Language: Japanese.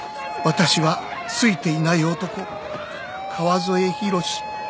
［私はついていない男川添博司］